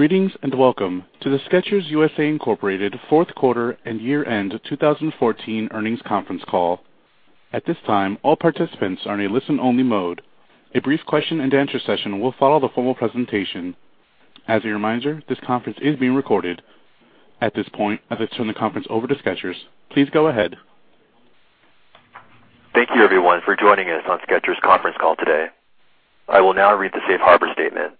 Greetings and welcome to the Skechers U.S.A., Incorporated fourth quarter and year-end 2014 earnings conference call. At this time, all participants are in a listen-only mode. A brief question and answer session will follow the formal presentation. As a reminder, this conference is being recorded. At this point, I'll turn the conference over to Skechers. Please go ahead. Thank you everyone for joining us on Skechers conference call today. I will now read the safe harbor statement.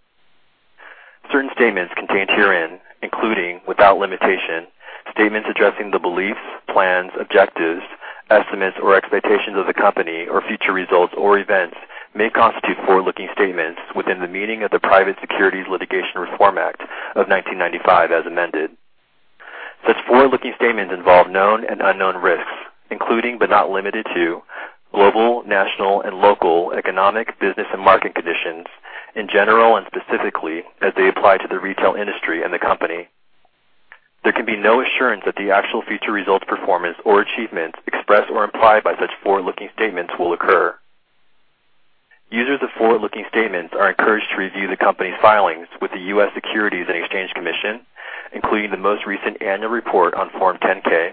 Certain statements contained herein, including without limitation, statements addressing the beliefs, plans, objectives, estimates or expectations of the company or future results or events may constitute forward-looking statements within the meaning of the Private Securities Litigation Reform Act of 1995 as amended. Such forward-looking statements involve known and unknown risks, including but not limited to global, national, and local economic business and market conditions in general and specifically as they apply to the retail industry and the company. There can be no assurance that the actual future results, performance, or achievements expressed or implied by such forward-looking statements will occur. Users of forward-looking statements are encouraged to review the company's filings with the U.S. Securities and Exchange Commission, including the most recent annual report on Form 10-K,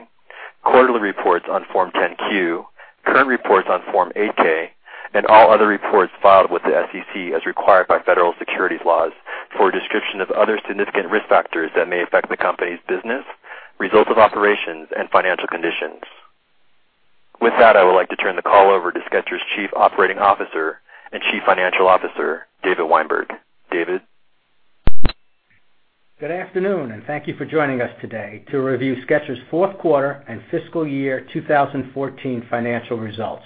quarterly reports on Form 10-Q, current reports on Form 8-K, and all other reports filed with the SEC as required by federal securities laws for a description of other significant risk factors that may affect the company's business, results of operations, and financial conditions. With that, I would like to turn the call over to Skechers Chief Operating Officer and Chief Financial Officer, David Weinberg. David. Good afternoon, and thank you for joining us today to review Skechers' fourth quarter and fiscal year 2014 financial results.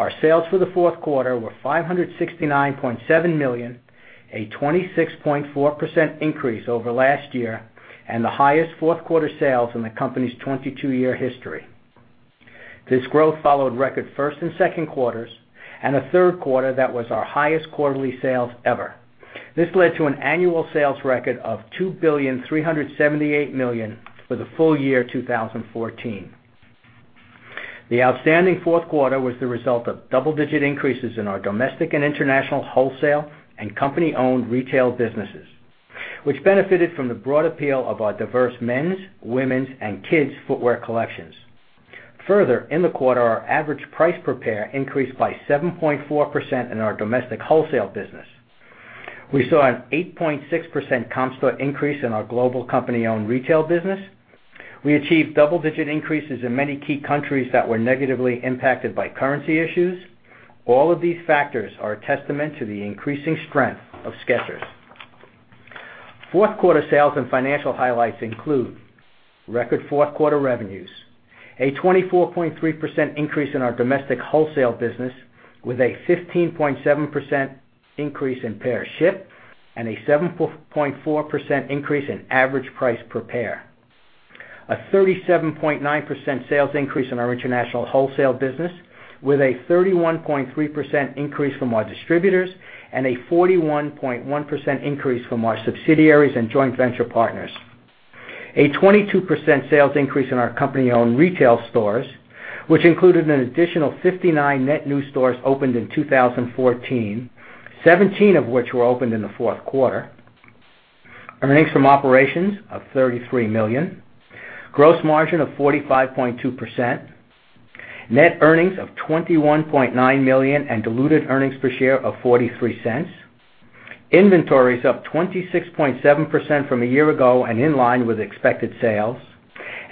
Our sales for the fourth quarter were $569.7 million, a 26.4% increase over last year and the highest fourth quarter sales in the company's 22-year history. This growth followed record first and second quarters and a third quarter that was our highest quarterly sales ever. This led to an annual sales record of $2.378 billion for the full year 2014. The outstanding fourth quarter was the result of double-digit increases in our domestic and international wholesale and company-owned retail businesses, which benefited from the broad appeal of our diverse men's, women's, and kids' footwear collections. Further, in the quarter, our average price per pair increased by 7.4% in our domestic wholesale business. We saw an 8.6% comp store increase in our global company-owned retail business. We achieved double-digit increases in many key countries that were negatively impacted by currency issues. All of these factors are a testament to the increasing strength of Skechers. Fourth quarter sales and financial highlights include record fourth quarter revenues, a 24.3% increase in our domestic wholesale business with a 15.7% increase in pairs shipped, and a 7.4% increase in average price per pair. A 37.9% sales increase in our international wholesale business with a 31.3% increase from our distributors and a 41.1% increase from our subsidiaries and joint venture partners. A 22% sales increase in our company-owned retail stores, which included an additional 59 net new stores opened in 2014, 17 of which were opened in the fourth quarter. Earnings from operations of $33 million. Gross margin of 45.2%. Net earnings of $21.9 million and diluted earnings per share of $0.43. Inventories up 26.7% from a year ago and in line with expected sales.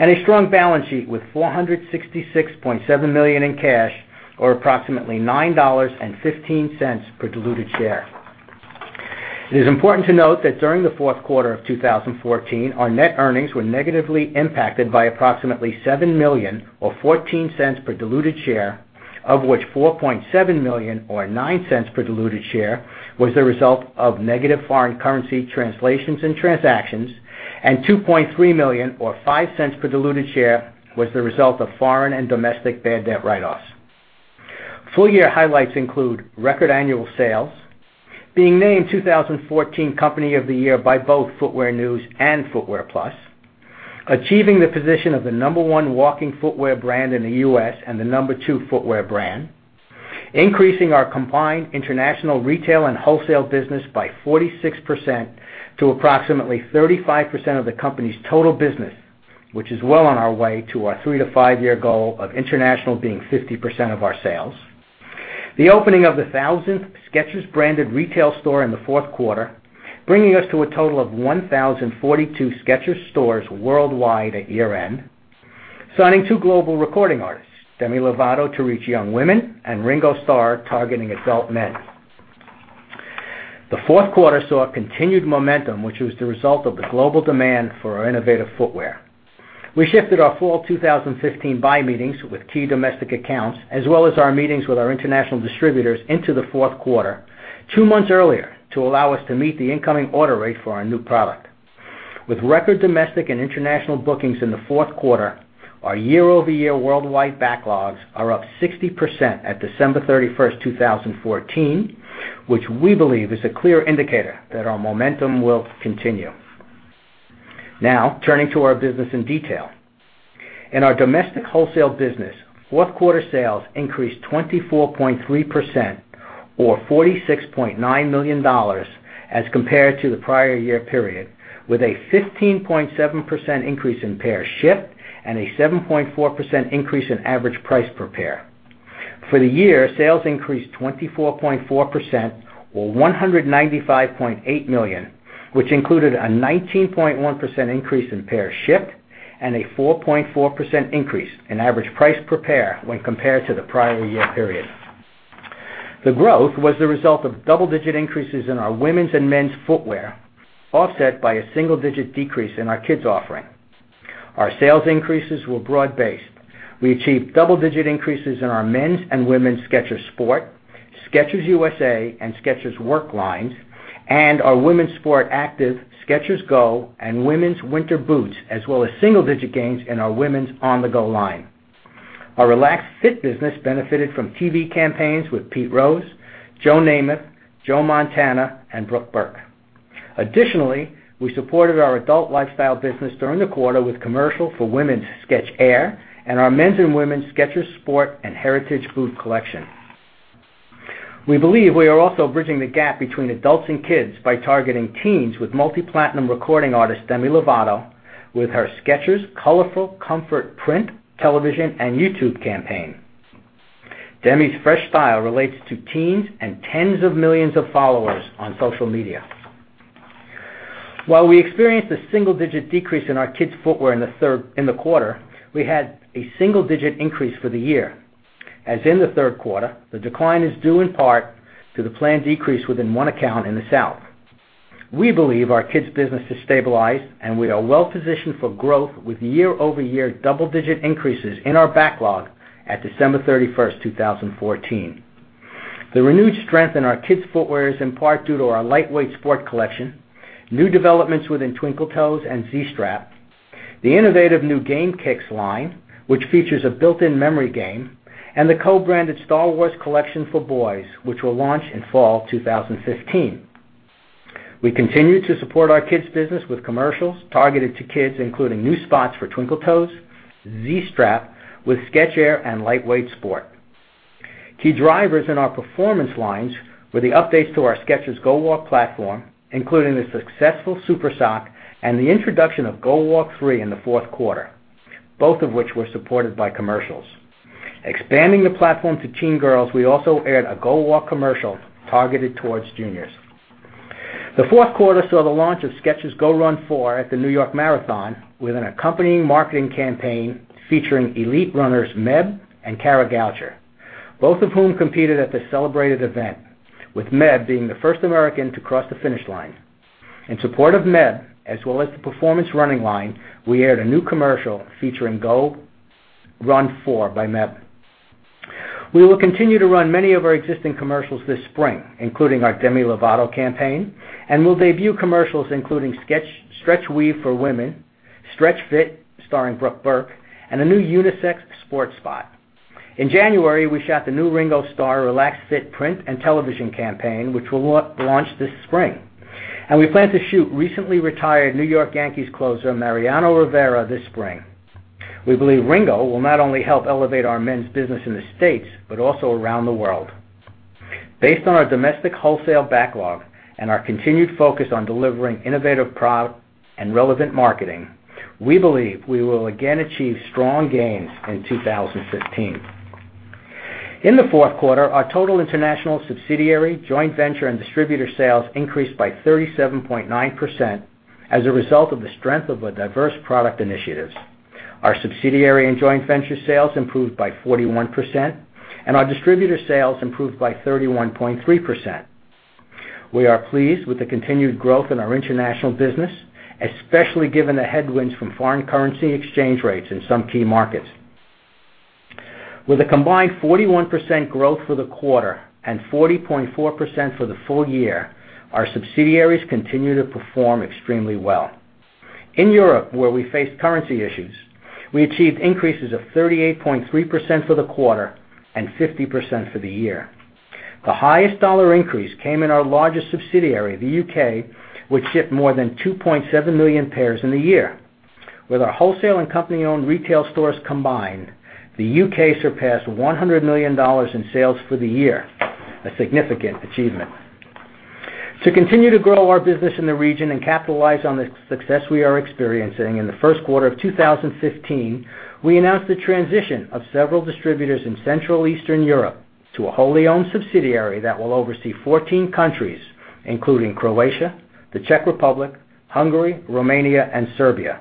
A strong balance sheet with $466.7 million in cash or approximately $9.15 per diluted share. It is important to note that during the fourth quarter of 2014, our net earnings were negatively impacted by approximately $7 million or $0.14 per diluted share, of which $4.7 million or $0.09 per diluted share was the result of negative foreign currency translations and transactions, and $2.3 million or $0.05 per diluted share was the result of foreign and domestic bad debt write-offs. Full-year highlights include record annual sales, being named 2014 Company of the Year by both Footwear News and Footwear Plus, achieving the position of the number one walking footwear brand in the U.S. and the number two footwear brand, increasing our combined international retail and wholesale business by 46% to approximately 35% of the company's total business. Which is well on our way to our three to five-year goal of international being 50% of our sales. The opening of the 1,000th Skechers-branded retail store in the fourth quarter, bringing us to a total of 1,042 Skechers stores worldwide at year-end. Signing two global recording artists, Demi Lovato to reach young women, and Ringo Starr targeting adult men. The fourth quarter saw continued momentum, which was the result of the global demand for our innovative footwear. We shifted our fall 2015 buy meetings with key domestic accounts, as well as our meetings with our international distributors into the fourth quarter, two months earlier to allow us to meet the incoming order rate for our new product. With record domestic and international bookings in the fourth quarter, our year-over-year worldwide backlogs are up 60% at December 31st, 2014, which we believe is a clear indicator that our momentum will continue. Turning to our business in detail. In our domestic wholesale business, fourth quarter sales increased 24.3%, or $46.9 million as compared to the prior year period, with a 15.7% increase in pairs shipped and a 7.4% increase in average price per pair. For the year, sales increased 24.4%, or $195.8 million, which included a 19.1% increase in pairs shipped and a 4.4% increase in average price per pair when compared to the prior year period. The growth was the result of double-digit increases in our women's and men's footwear, offset by a single-digit decrease in our kids' offering. Our sales increases were broad-based. We achieved double-digit increases in our men's and women's Skechers Sport, Skechers U.S.A., and Skechers Work lines, and our Women's Sport Active, Skechers GO, and women's winter boots, as well as single-digit gains in our women's On-the-GO line. Our Relaxed Fit business benefited from TV campaigns with Pete Rose, Joe Namath, Joe Montana, and Brooke Burke. Additionally, we supported our adult lifestyle business during the quarter with commercials for women's Skech-Air and our men's and women's Skechers Sport and Heritage boot collection. We believe we are also bridging the gap between adults and kids by targeting teens with multi-platinum recording artist Demi Lovato with her Skechers Colorful Comfort print, television, and YouTube campaign. Demi's fresh style relates to teens and tens of millions of followers on social media. While we experienced a single-digit decrease in our kids footwear in the quarter, we had a single-digit increase for the year. As in the third quarter, the decline is due in part to the planned decrease within one account in the south. We believe our kids business has stabilized, and we are well-positioned for growth with year-over-year double-digit increases in our backlog at December 31st, 2014. The renewed strength in our kids footwear is in part due to our Lightweight Sport collection, new developments within Twinkle Toes and Z-Strap, the innovative new Game Kicks line, which features a built-in memory game, and the co-branded Star Wars collection for boys, which will launch in fall 2015. We continue to support our kids business with commercials targeted to kids, including new spots for Twinkle Toes, Z-Strap with Skech-Air, and Lightweight Sport. Key drivers in our performance lines were the updates to our Skechers GOwalk platform, including the successful Super Sock and the introduction of GOwalk 3 in the fourth quarter, both of which were supported by commercials. Expanding the platform to teen girls, we also aired a GOwalk commercial targeted towards juniors. The fourth quarter saw the launch of Skechers GOrun 4 at the New York Marathon with an accompanying marketing campaign featuring elite runners Meb and Kara Goucher, both of whom competed at the celebrated event, with Meb being the first American to cross the finish line. In support of Meb as well as the performance running line, we aired a new commercial featuring GOrun 4 by Meb. We will continue to run many of our existing commercials this spring, including our Demi Lovato campaign, and will debut commercials including Stretch Weave for women, Stretch Fit starring Brooke Burke, and a new unisex sports spot. In January, we shot the new Ringo Starr Relaxed Fit print and television campaign, which will launch this spring. We plan to shoot recently retired New York Yankees closer Mariano Rivera this spring. We believe Ringo will not only help elevate our men's business in the States, but also around the world. Based on our domestic wholesale backlog and our continued focus on delivering innovative product and relevant marketing, we believe we will again achieve strong gains in 2015. In the fourth quarter, our total international subsidiary, joint venture, and distributor sales increased by 37.9% as a result of the strength of our diverse product initiatives. Our subsidiary and joint venture sales improved by 41%, and our distributor sales improved by 31.3%. We are pleased with the continued growth in our international business, especially given the headwinds from foreign currency exchange rates in some key markets. With a combined 41% growth for the quarter and 40.4% for the full year, our subsidiaries continue to perform extremely well. In Europe, where we face currency issues, we achieved increases of 38.3% for the quarter and 50% for the year. The highest dollar increase came in our largest subsidiary, the U.K., which shipped more than 2.7 million pairs in the year. With our wholesale and company-owned retail stores combined, the U.K. surpassed $100 million in sales for the year, a significant achievement. To continue to grow our business in the region and capitalize on the success we are experiencing in the first quarter of 2015, we announced the transition of several distributors in Central Eastern Europe to a wholly owned subsidiary that will oversee 14 countries, including Croatia, the Czech Republic, Hungary, Romania, and Serbia.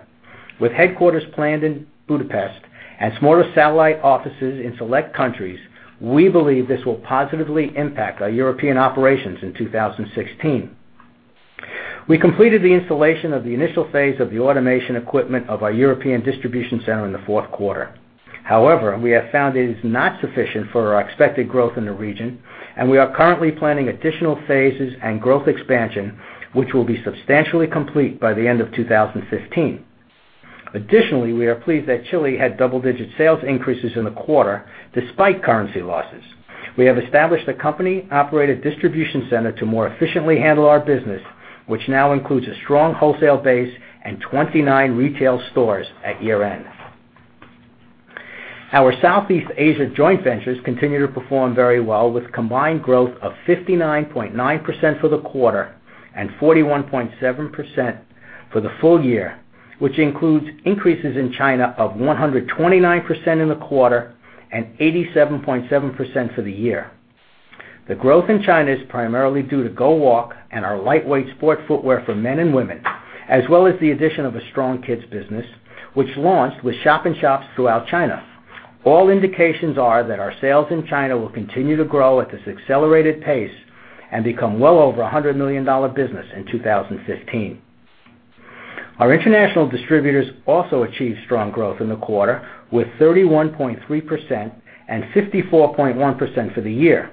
With headquarters planned in Budapest and smaller satellite offices in select countries, we believe this will positively impact our European operations in 2016. We completed the installation of the initial phase of the automation equipment of our European distribution center in the fourth quarter. However, we have found it is not sufficient for our expected growth in the region, and we are currently planning additional phases and growth expansion, which will be substantially complete by the end of 2015. Additionally, we are pleased that Chile had double-digit sales increases in the quarter despite currency losses. We have established a company-operated distribution center to more efficiently handle our business, which now includes a strong wholesale base and 29 retail stores at year-end. Our Southeast Asia joint ventures continue to perform very well, with combined growth of 59.9% for the quarter and 41.7% for the full year, which includes increases in China of 129% in the quarter and 87.7% for the year. The growth in China is primarily due to GOwalk and our Lightweight Sport footwear for men and women, as well as the addition of a strong kids business, which launched with shop-in-shops throughout China. All indications are that our sales in China will continue to grow at this accelerated pace and become well over $100 million business in 2015. Our international distributors also achieved strong growth in the quarter with 31.3% and 54.1% for the year.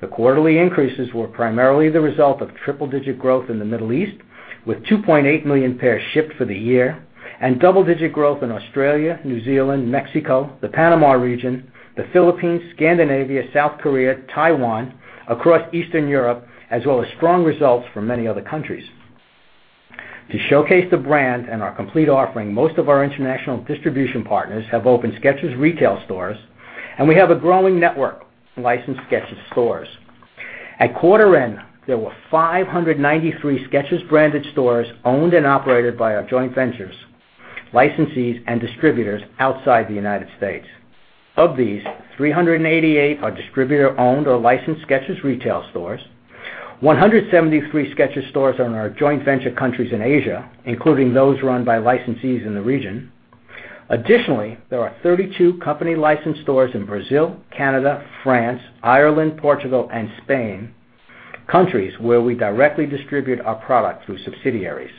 The quarterly increases were primarily the result of triple-digit growth in the Middle East, with 2.8 million pairs shipped for the year, and double-digit growth in Australia, New Zealand, Mexico, the Panama region, the Philippines, Scandinavia, South Korea, Taiwan, across Eastern Europe, as well as strong results from many other countries. To showcase the brand and our complete offering, most of our international distribution partners have opened Skechers retail stores, and we have a growing network of licensed Skechers stores. At quarter end, there were 593 Skechers-branded stores owned and operated by our joint ventures, licensees, and distributors outside the U.S. Of these, 388 are distributor-owned or licensed Skechers retail stores, 173 Skechers stores are in our joint venture countries in Asia, including those run by licensees in the region. Additionally, there are 32 company-licensed stores in Brazil, Canada, France, Ireland, Portugal, and Spain, countries where we directly distribute our product through subsidiaries.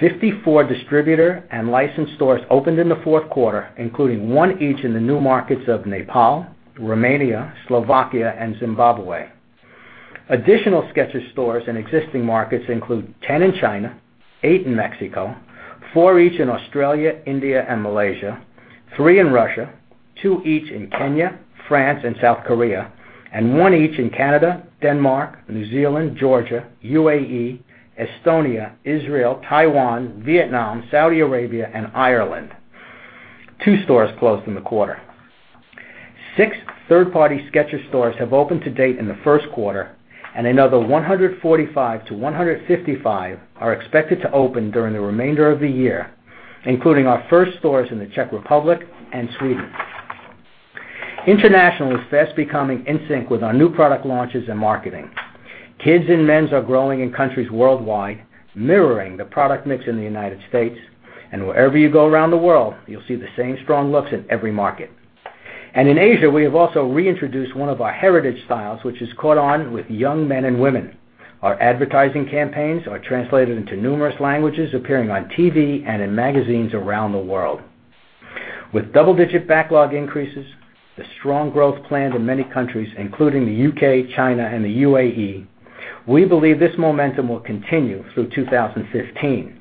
54 distributor and licensed stores opened in the fourth quarter, including one each in the new markets of Nepal, Romania, Slovakia, and Zimbabwe. Additional Skechers stores in existing markets include 10 in China, eight in Mexico, four each in Australia, India, and Malaysia, three in Russia, two each in Kenya, France, and South Korea, and one each in Canada, Denmark, New Zealand, Georgia, UAE, Estonia, Israel, Taiwan, Vietnam, Saudi Arabia, and Ireland. Two stores closed in the quarter. Six third-party Skechers stores have opened to date in the first quarter, and another 145-155 are expected to open during the remainder of the year, including our first stores in the Czech Republic and Sweden. International is fast becoming in sync with our new product launches and marketing. Kids and men's are growing in countries worldwide, mirroring the product mix in the U.S. Wherever you go around the world, you'll see the same strong looks in every market. In Asia, we have also reintroduced one of our heritage styles, which has caught on with young men and women. Our advertising campaigns are translated into numerous languages appearing on TV and in magazines around the world. With double-digit backlog increases, the strong growth planned in many countries, including the U.K., China, and the UAE, we believe this momentum will continue through 2015.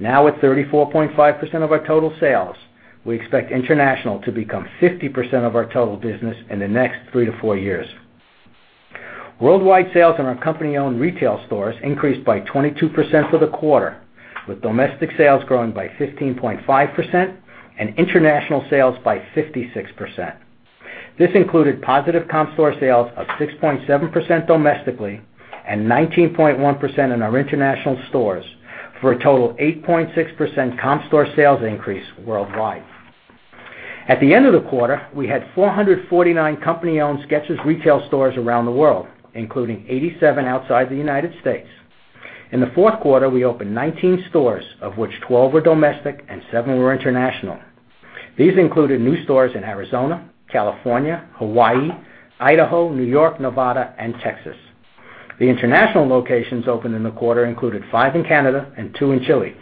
Now with 34.5% of our total sales, we expect international to become 50% of our total business in the next three to four years. Worldwide sales in our company-owned retail stores increased by 22% for the quarter, with domestic sales growing by 15.5% and international sales by 56%. This included positive comp store sales of 6.7% domestically and 19.1% in our international stores, for a total 8.6% comp store sales increase worldwide. At the end of the quarter, we had 449 company-owned Skechers retail stores around the world, including 87 outside the U.S. In the fourth quarter, we opened 19 stores, of which 12 were domestic and seven were international. These included new stores in Arizona, California, Hawaii, Idaho, New York, Nevada, and Texas. The international locations opened in the quarter included five in Canada and two in Chile.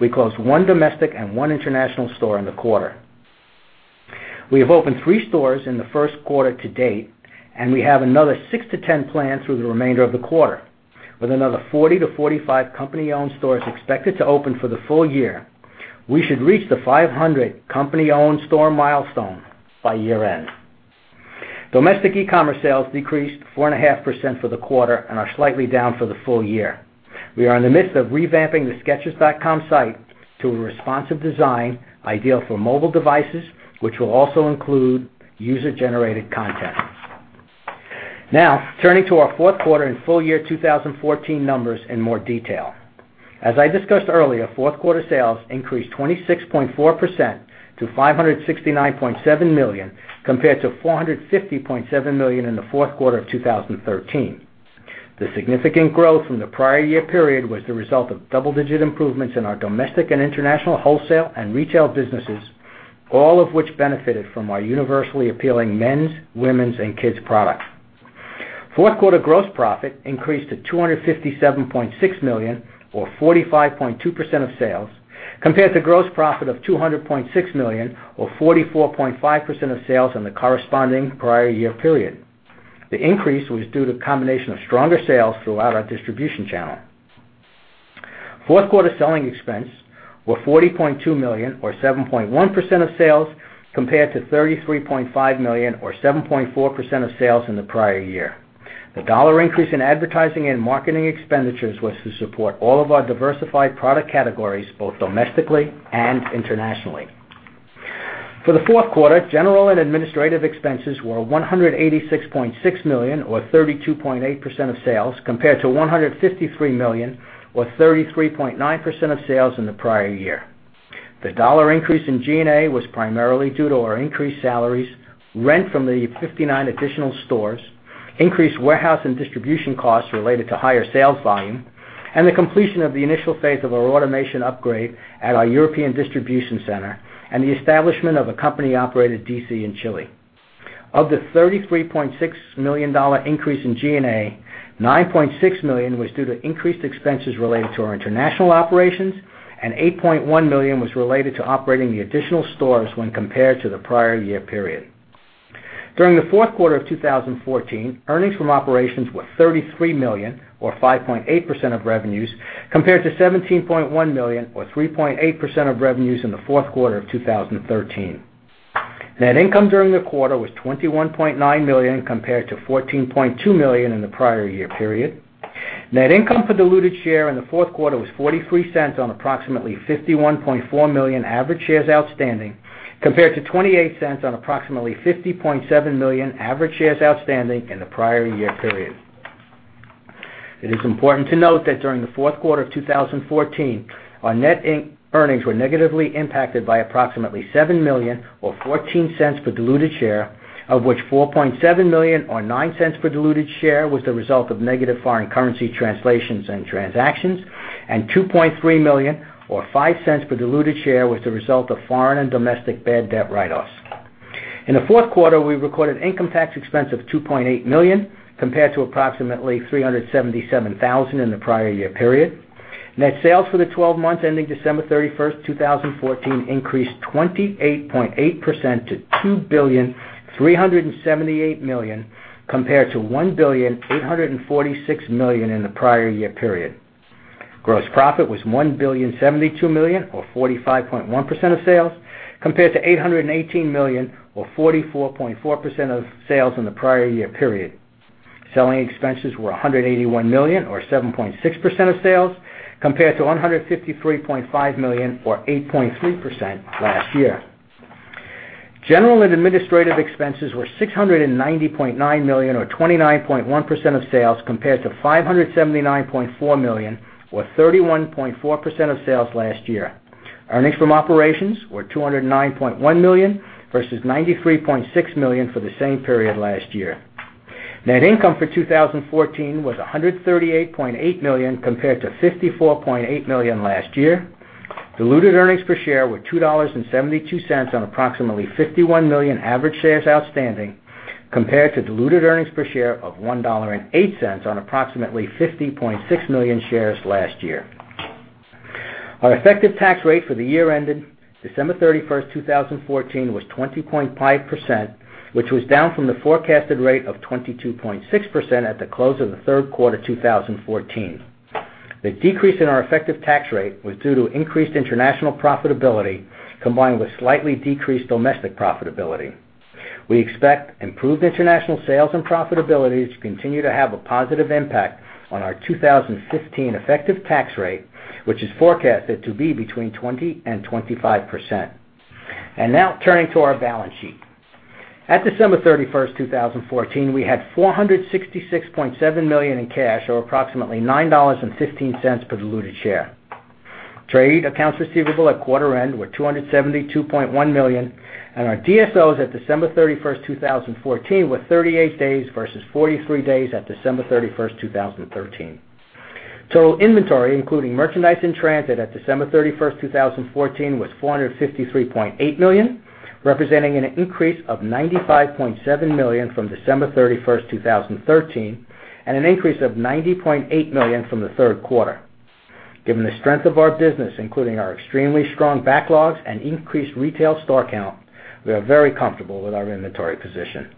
We closed one domestic and one international store in the quarter. We have opened three stores in the first quarter to date, and we have another six to 10 planned through the remainder of the quarter. With another 40-45 company-owned stores expected to open for the full year, we should reach the 500 company-owned store milestone by year-end. Domestic e-commerce sales decreased 4.5% for the quarter and are slightly down for the full year. We are in the midst of revamping the skechers.com site to a responsive design ideal for mobile devices, which will also include user-generated content. Now, turning to our fourth quarter and full year 2014 numbers in more detail. As I discussed earlier, fourth quarter sales increased 26.4% to $569.7 million, compared to $450.7 million in the fourth quarter of 2013. The significant growth from the prior year period was the result of double-digit improvements in our domestic and international wholesale and retail businesses, all of which benefited from our universally appealing men's, women's, and kids products. Fourth quarter gross profit increased to $257.6 million or 45.2% of sales, compared to gross profit of $200.6 million or 44.5% of sales in the corresponding prior year period. The increase was due to a combination of stronger sales throughout our distribution channel. Fourth quarter selling expense were $40.2 million or 7.1% of sales, compared to $33.5 million or 7.4% of sales in the prior year. The dollar increase in advertising and marketing expenditures was to support all of our diversified product categories, both domestically and internationally. For the fourth quarter, general and administrative expenses were $186.6 million or 32.8% of sales, compared to $153 million or 33.9% of sales in the prior year. The dollar increase in G&A was primarily due to our increased salaries, rent from the 59 additional stores, increased warehouse and distribution costs related to higher sales volume, and the completion of the initial phase of our automation upgrade at our European distribution center, and the establishment of a company-operated DC in Chile. Of the $33.6 million increase in G&A, $9.6 million was due to increased expenses related to our international operations, and $8.1 million was related to operating the additional stores when compared to the prior year period. During the fourth quarter of 2014, earnings from operations were $33 million or 5.8% of revenues, compared to $17.1 million or 3.8% of revenues in the fourth quarter of 2013. Net income during the quarter was $21.9 million compared to $14.2 million in the prior year period. Net income per diluted share in the fourth quarter was $0.43 on approximately 51.4 million average shares outstanding, compared to $0.28 on approximately 50.7 million average shares outstanding in the prior year period. It is important to note that during the fourth quarter of 2014, our net earnings were negatively impacted by approximately $7 million or $0.14 per diluted share, of which $4.7 million or $0.09 per diluted share was the result of negative foreign currency translations and transactions, and $2.3 million or $0.05 per diluted share was the result of foreign and domestic bad debt write-offs. In the fourth quarter, we recorded income tax expense of $2.8 million compared to approximately $377,000 in the prior year period. Net sales for the 12 months ending December 31st, 2014 increased 28.8% to $2.378 billion compared to $1.846 billion in the prior year period. Gross profit was $1.072 billion or 45.1% of sales, compared to $818 million or 44.4% of sales in the prior year period. Selling expenses were $181 million or 7.6% of sales, compared to $153.5 million or 8.3% last year. General and administrative expenses were $690.9 million or 29.1% of sales compared to $579.4 million or 31.4% of sales last year. Earnings from operations were $209.1 million versus $93.6 million for the same period last year. Net income for 2014 was $138.8 million compared to $54.8 million last year. Diluted earnings per share were $2.72 on approximately 51 million average shares outstanding, compared to diluted earnings per share of $1.08 on approximately 50.6 million shares last year. Our effective tax rate for the year ended December 31st, 2014 was 20.5%, which was down from the forecasted rate of 22.6% at the close of the third quarter 2014. The decrease in our effective tax rate was due to increased international profitability combined with slightly decreased domestic profitability. Now turning to our balance sheet. At December 31st, 2014, we had $466.7 million in cash, or approximately $9.15 per diluted share. Trade accounts receivable at quarter end were $272.1 million, and our DSOs at December 31st, 2014 were 38 days versus 43 days at December 31st, 2013. Total inventory, including merchandise in transit at December 31st, 2014, was $453.8 million, representing an increase of $95.7 million from December 31st, 2013, and an increase of $90.8 million from the third quarter. Given the strength of our business, including our extremely strong backlogs and increased retail store count, we are very comfortable with our inventory position.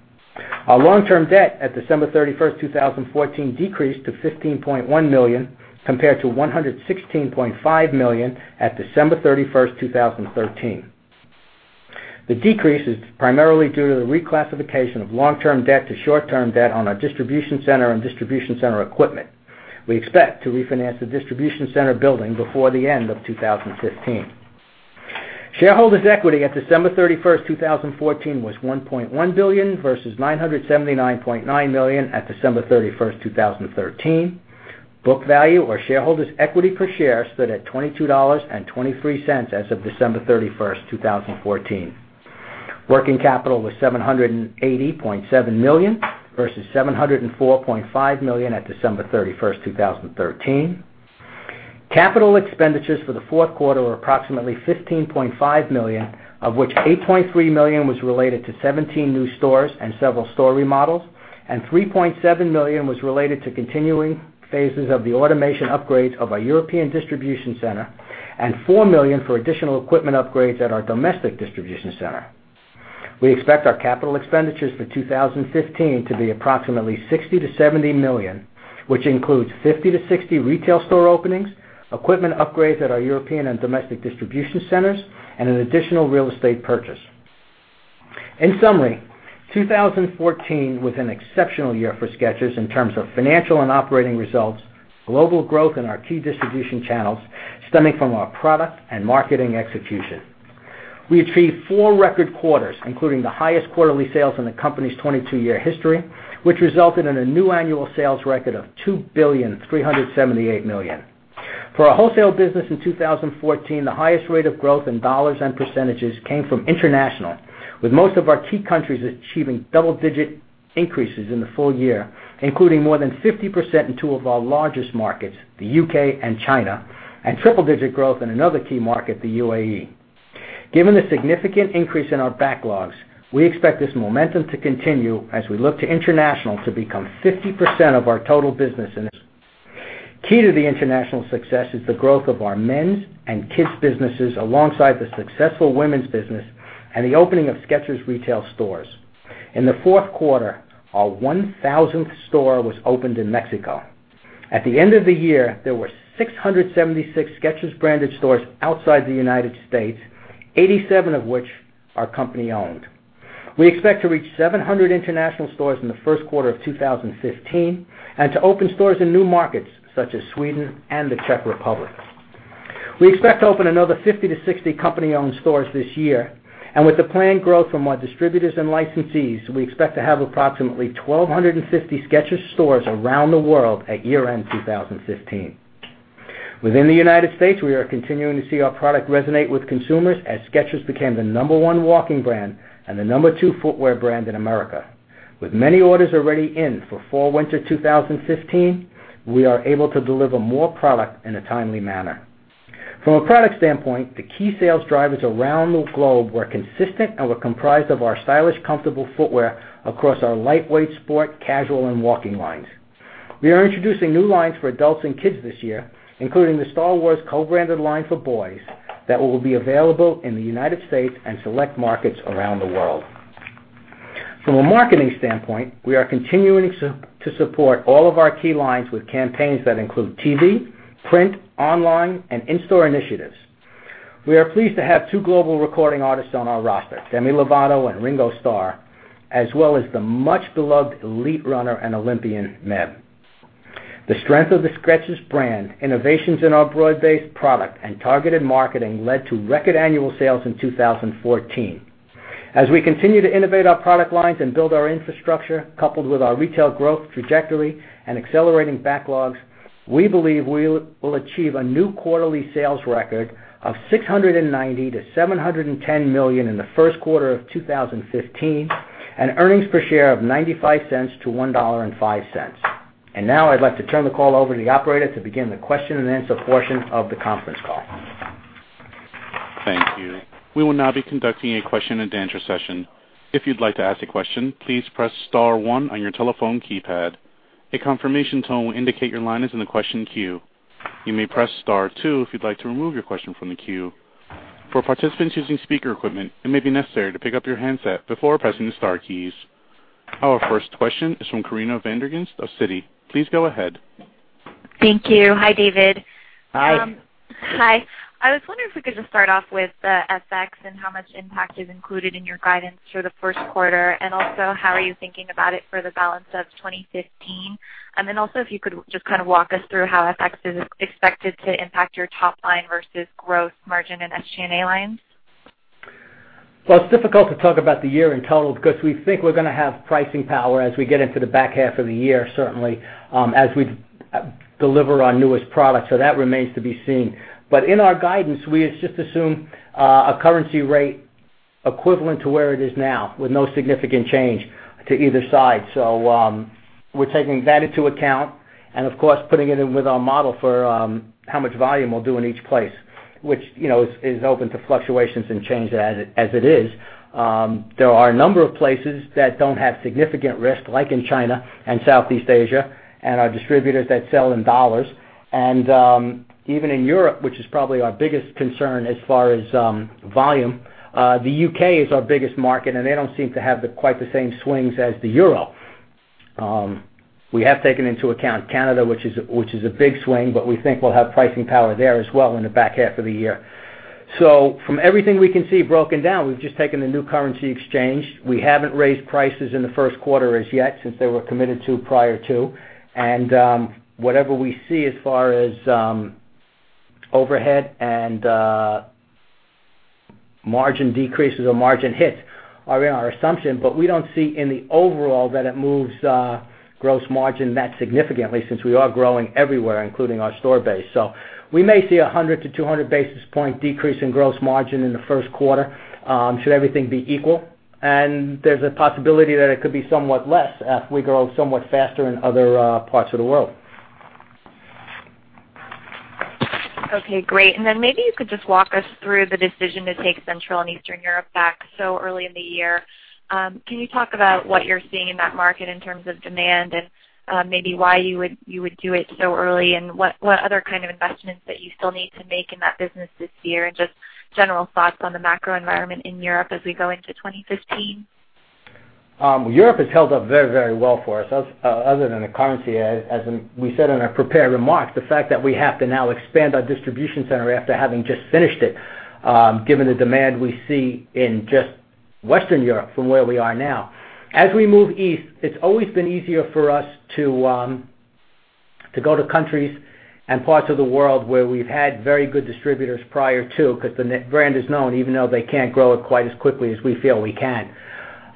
Our long-term debt at December 31st, 2014 decreased to $15.1 million compared to $116.5 million at December 31st, 2013. The decrease is primarily due to the reclassification of long-term debt to short-term debt on our distribution center and distribution center equipment. We expect to refinance the distribution center building before the end of 2015. Shareholders' equity at December 31st, 2014 was $1.1 billion versus $979.9 million at December 31st, 2013. Book value or shareholders' equity per share stood at $22.23 as of December 31st, 2014. Working capital was $780.7 million versus $704.5 million at December 31st, 2013. Capital expenditures for the fourth quarter were approximately $15.5 million, of which $8.3 million was related to 17 new stores and several store remodels, and $3.7 million was related to continuing phases of the automation upgrades of our European distribution center, and $4 million for additional equipment upgrades at our domestic distribution center. We expect our capital expenditures for 2015 to be approximately $60 million-$70 million, which includes 50-60 retail store openings, equipment upgrades at our European and domestic distribution centers, and an additional real estate purchase. In summary, 2014 was an exceptional year for Skechers in terms of financial and operating results, global growth in our key distribution channels stemming from our product and marketing execution. We achieved four record quarters, including the highest quarterly sales in the company's 22-year history, which resulted in a new annual sales record of $2.378 billion. For our wholesale business in 2014, the highest rate of growth in dollars and percentages came from international, with most of our key countries achieving double-digit increases in the full year, including more than 50% in two of our largest markets, the U.K. and China, and triple-digit growth in another key market, the UAE. Given the significant increase in our backlogs, we expect this momentum to continue as we look to international to become 50% of our total business in this. Key to the international success is the growth of our men's and kids' businesses alongside the successful women's business and the opening of Skechers retail stores. In the fourth quarter, our 1,000th store was opened in Mexico. At the end of the year, there were 676 Skechers-branded stores outside the U.S., 87 of which are company-owned. We expect to reach 700 international stores in the first quarter of 2015 and to open stores in new markets such as Sweden and the Czech Republic. We expect to open another 50 to 60 company-owned stores this year. With the planned growth from our distributors and licensees, we expect to have approximately 1,250 Skechers stores around the world at year-end 2015. Within the U.S., we are continuing to see our product resonate with consumers as Skechers became the number one walking brand and the number two footwear brand in America. With many orders already in for fall/winter 2015, we are able to deliver more product in a timely manner. From a product standpoint, the key sales drivers around the globe were consistent and were comprised of our stylish, comfortable footwear across our Lightweight Sport, casual, and walking lines. We are introducing new lines for adults and kids this year, including the Star Wars co-branded line for boys that will be available in the U.S. and select markets around the world. From a marketing standpoint, we are continuing to support all of our key lines with campaigns that include TV, print, online, and in-store initiatives. We are pleased to have two global recording artists on our roster, Demi Lovato and Ringo Starr, as well as the much beloved elite runner and Olympian, Meb. The strength of the Skechers brand, innovations in our broad-based product, and targeted marketing led to record annual sales in 2014. As we continue to innovate our product lines and build our infrastructure, coupled with our retail growth trajectory and accelerating backlogs, we believe we will achieve a new quarterly sales record of $690 million-$710 million in the first quarter of 2015, and earnings per share of $0.95-$1.05. Now I'd like to turn the call over to the operator to begin the question-and-answer portion of the conference call. Thank you. We will now be conducting a question-and-answer session. If you'd like to ask a question, please press *1 on your telephone keypad. A confirmation tone will indicate your line is in the question queue. You may press *2 if you'd like to remove your question from the queue. For participants using speaker equipment, it may be necessary to pick up your handset before pressing the star keys. Our first question is from Corinna Van Der Ghinst of Citi. Please go ahead. Thank you. Hi, David. Hi. Hi. I was wondering if we could just start off with the FX and how much impact is included in your guidance for the first quarter, and also how are you thinking about it for the balance of 2015. Also, if you could just kind of walk us through how FX is expected to impact your top line versus gross margin and SG&A lines. Well, it's difficult to talk about the year in total because we think we're going to have pricing power as we get into the back half of the year, certainly, as we deliver our newest products. That remains to be seen. In our guidance, we just assume a currency rate equivalent to where it is now with no significant change to either side. We're taking that into account and of course, putting it in with our model for how much volume we'll do in each place, which is open to fluctuations and change as it is. There are a number of places that don't have significant risk, like in China and Southeast Asia, and our distributors that sell in $. Even in Europe, which is probably our biggest concern as far as volume, the U.K. is our biggest market, and they don't seem to have quite the same swings as the EUR. We have taken into account Canada, which is a big swing, but we think we'll have pricing power there as well in the back half of the year. From everything we can see broken down, we've just taken the new currency exchange. We haven't raised prices in the first quarter as yet since they were committed to prior to. Whatever we see as far as overhead and margin decreases or margin hits are in our assumption, but we don't see in the overall that it moves gross margin net significantly since we are growing everywhere, including our store base. We may see a 100 to 200 basis point decrease in gross margin in the first quarter should everything be equal. There's a possibility that it could be somewhat less if we grow somewhat faster in other parts of the world. Okay, great. Maybe you could just walk us through the decision to take Central and Eastern Europe back so early in the year. Can you talk about what you're seeing in that market in terms of demand and maybe why you would do it so early and what other kind of investments that you still need to make in that business this year, and just general thoughts on the macro environment in Europe as we go into 2015? Europe has held up very, very well for us other than the currency. As we said in our prepared remarks, the fact that we have to now expand our distribution center after having just finished it, given the demand we see in just Western Europe from where we are now. As we move east, it's always been easier for us to go to countries and parts of the world where we've had very good distributors prior to, because the brand is known, even though they can't grow it quite as quickly as we feel we can.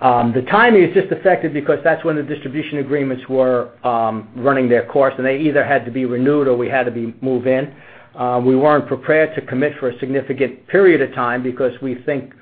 The timing is just affected because that's when the distribution agreements were running their course, and they either had to be renewed or we had to move in. We weren't prepared to commit for a significant period of time because we think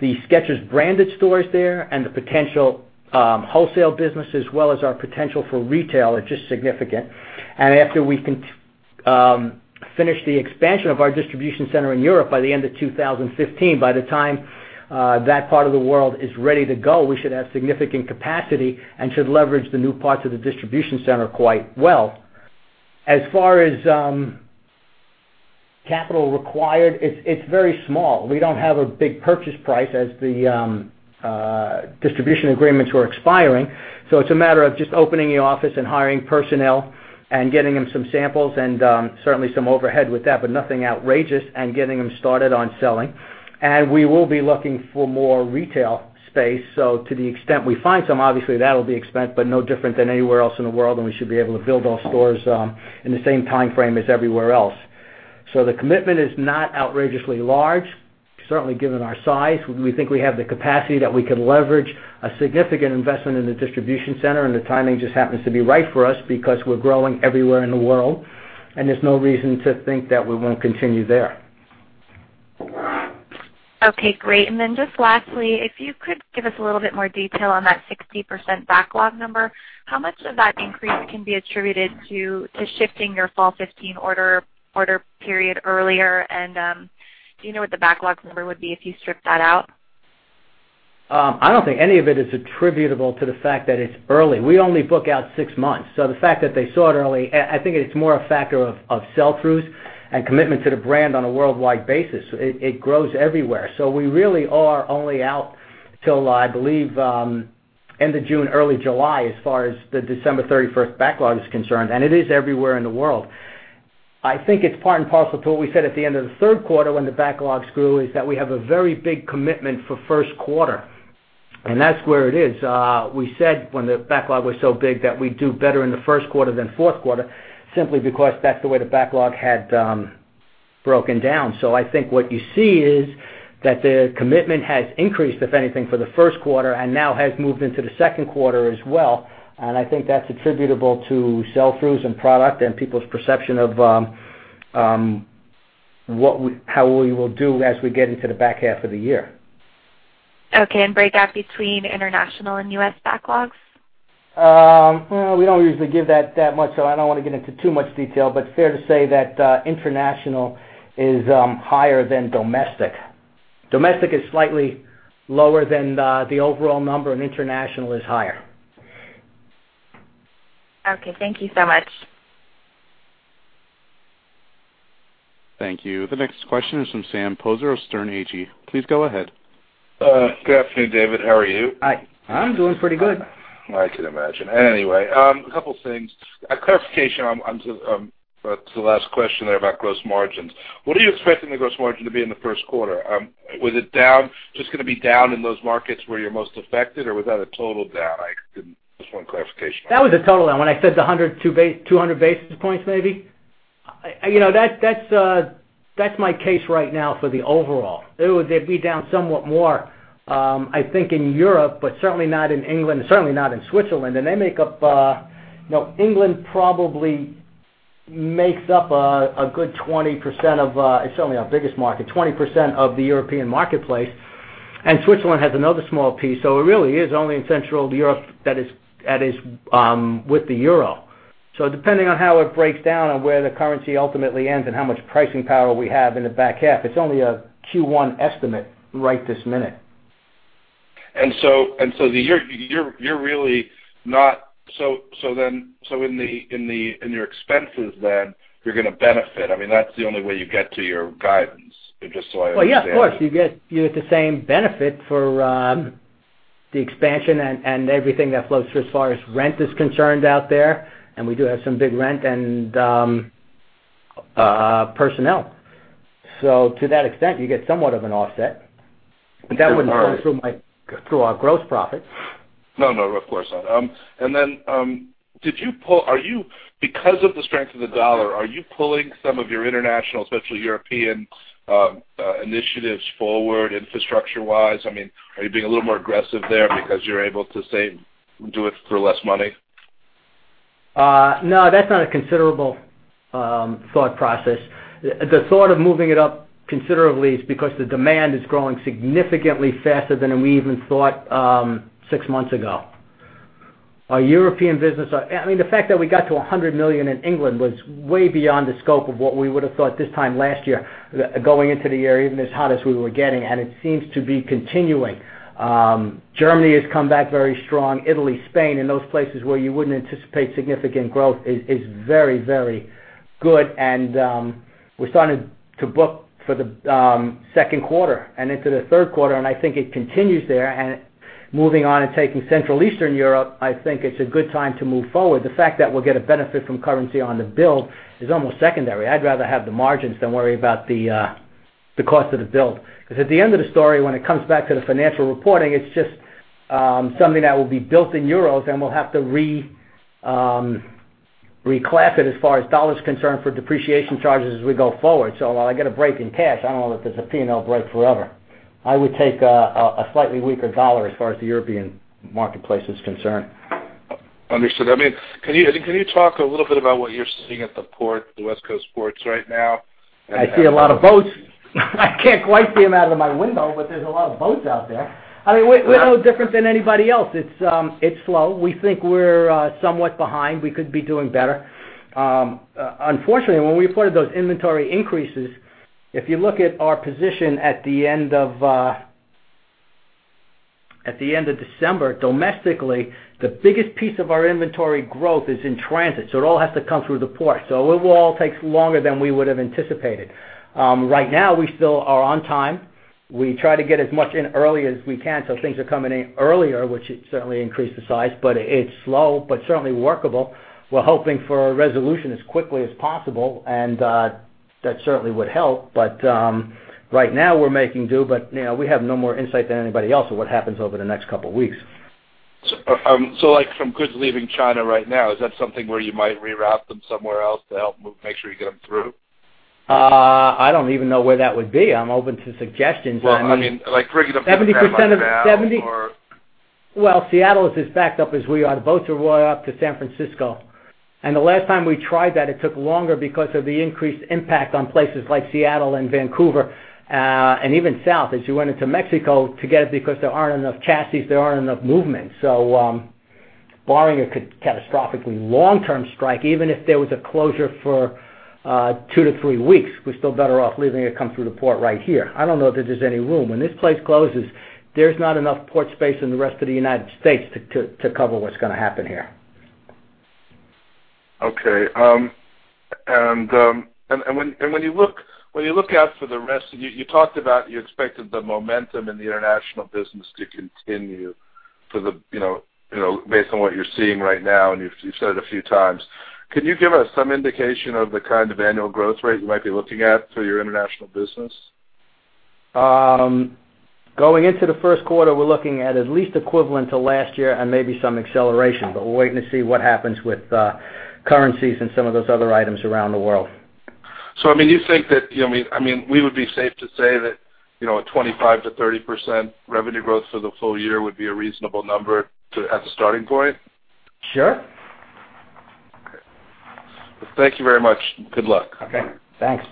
the Skechers branded stores there and the potential wholesale business, as well as our potential for retail, are just significant. After we finish the expansion of our distribution center in Europe by the end of 2015, by the time that part of the world is ready to go, we should have significant capacity and should leverage the new parts of the distribution center quite well. As far as capital required, it's very small. We don't have a big purchase price as the distribution agreements were expiring. It's a matter of just opening the office and hiring personnel and getting them some samples and certainly, some overhead with that, but nothing outrageous, and getting them started on selling. We will be looking for more retail space. To the extent we find some, obviously, that'll be spent, but no different than anywhere else in the world, and we should be able to build those stores in the same time frame as everywhere else. The commitment is not outrageously large. Certainly, given our size, we think we have the capacity that we can leverage a significant investment in the distribution center, and the timing just happens to be right for us because we're growing everywhere in the world, and there's no reason to think that we won't continue there. Okay, great. Then just lastly, if you could give us a little bit more detail on that 60% backlog number. How much of that increase can be attributed to shifting your fall 2015 order period earlier? Do you know what the backlog number would be if you strip that out? I don't think any of it is attributable to the fact that it's early. We only book out six months. The fact that they saw it early, I think it's more a factor of sell-throughs and commitment to the brand on a worldwide basis. It grows everywhere. We really are only out till, I believe, end of June, early July, as far as the December 31st backlog is concerned, and it is everywhere in the world. I think it's part and parcel to what we said at the end of the third quarter when the backlogs grew, is that we have a very big commitment for first quarter, and that's where it is. We said when the backlog was so big that we'd do better in the first quarter than fourth quarter, simply because that's the way the backlog had broken down. I think what you see is that the commitment has increased, if anything, for the first quarter and now has moved into the second quarter as well. I think that's attributable to sell-throughs and product and people's perception of how we will do as we get into the back half of the year. Okay, breakout between international and U.S. backlogs? Well, we don't usually give that much, I don't want to get into too much detail. Fair to say that international is higher than domestic. Domestic is slightly lower than the overall number, international is higher. Okay. Thank you so much. Thank you. The next question is from Sam Poser of Sterne Agee. Please go ahead. Good afternoon, David. How are you? Hi. I'm doing pretty good. I could imagine. A couple things. A clarification on the last question there about gross margins. What are you expecting the gross margin to be in the first quarter? Was it down, just going to be down in those markets where you're most affected, or was that a total down? I just want clarification. That was a total down. When I said the 100-200 basis points maybe. That's my case right now for the overall. It would be down somewhat more, I think, in Europe, but certainly not in England, certainly not in Switzerland. They make up England probably makes up a good 20% of, it's certainly our biggest market, 20% of the European marketplace. Switzerland has another small piece. It really is only in Central Europe that is with the euro. Depending on how it breaks down and where the currency ultimately ends and how much pricing power we have in the back half, it's only a Q1 estimate right this minute. You're really not in your expenses, you're going to benefit. I mean, that's the only way you get to your guidance. Just so I understand. Well, yeah, of course. You get the same benefit for the expansion and everything that flows through as far as rent is concerned out there, and we do have some big rent and personnel. To that extent, you get somewhat of an offset. That wouldn't flow through our gross profit. No, of course not. Because of the strength of the dollar, are you pulling some of your international, especially European initiatives forward infrastructure-wise? I mean, are you being a little more aggressive there because you're able to, say, do it for less money? That's not a considerable thought process. The thought of moving it up considerably is because the demand is growing significantly faster than we even thought six months ago. Our European business, I mean, the fact that we got to $100 million in England was way beyond the scope of what we would have thought this time last year, going into the year, even as hot as we were getting, and it seems to be continuing. Germany has come back very strong. Italy, Spain, and those places where you wouldn't anticipate significant growth is very good. We're starting to book for the second quarter and into the third quarter, and I think it continues there. Moving on and taking Central Eastern Europe, I think it's a good time to move forward. The fact that we'll get a benefit from currency on the build is almost secondary. I'd rather have the margins than worry about the cost of the build. At the end of the story, when it comes back to the financial reporting, it's just something that will be built in euros, and we'll have to re-class it as far as dollars concerned for depreciation charges as we go forward. While I get a break in cash, I don't know that there's a P&L break forever. I would take a slightly weaker dollar as far as the European marketplace is concerned. Understood. Can you talk a little bit about what you're seeing at the West Coast ports right now? I see a lot of boats. I can't quite see them out of my window, but there's a lot of boats out there. We're no different than anybody else. It's slow. We think we're somewhat behind. We could be doing better. Unfortunately, when we reported those inventory increases, if you look at our position at the end of December, domestically, the biggest piece of our inventory growth is in transit. It all has to come through the port. It will all take longer than we would have anticipated. Right now, we still are on time. We try to get as much in early as we can, so things are coming in earlier, which certainly increased the size, but it's slow, but certainly workable. We're hoping for a resolution as quickly as possible, and that certainly would help. Right now, we're making do, but we have no more insight than anybody else of what happens over the next couple of weeks. From goods leaving China right now, is that something where you might reroute them somewhere else to help make sure you get them through? I don't even know where that would be. I'm open to suggestions. Well, bringing them to the Panama Canal. Well, Seattle is as backed up as we are. The boats are all up to San Francisco. The last time we tried that, it took longer because of the increased impact on places like Seattle and Vancouver, and even south as you went into Mexico to get it because there aren't enough chassis, there aren't enough movements. Barring a catastrophically long-term strike, even if there was a closure for two to three weeks, we're still better off leaving it come through the port right here. I don't know that there's any room. When this place closes, there's not enough port space in the rest of the United States to cover what's going to happen here. Okay. When you look out for the rest, you talked about you expected the momentum in the international business to continue based on what you're seeing right now, and you've said it a few times. Could you give us some indication of the kind of annual growth rate you might be looking at for your international business? Going into the first quarter, we're looking at least equivalent to last year and maybe some acceleration, but we're waiting to see what happens with currencies and some of those other items around the world. Do you think that we would be safe to say that a 25%-30% revenue growth for the full year would be a reasonable number to have as a starting point? Sure. Okay. Thank you very much. Good luck. Okay, thanks.